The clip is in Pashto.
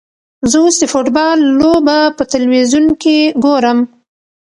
زه اوس د فوټبال لوبه په تلویزیون کې ګورم.